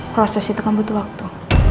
proses itu kan butuh waktu